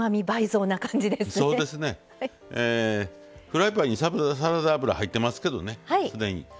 フライパンにサラダ油入ってますけどねすでに。